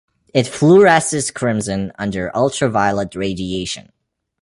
It fluoresces crimson under ultraviolet radiation.